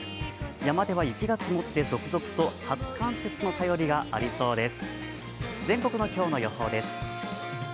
山では雪が積もって続々と初冠雪の便りがありそうです。